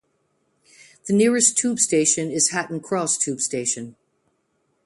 The nearest tube station is Hatton Cross tube station.